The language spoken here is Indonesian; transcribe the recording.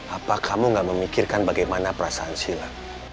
apa kamu gak memikirkan bagaimana perasaan sila